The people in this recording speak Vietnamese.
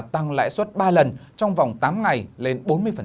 tăng lãi suất ba lần trong vòng tám ngày lên bốn mươi